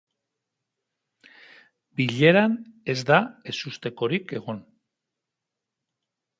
Bileran ez da ezustekorik egon.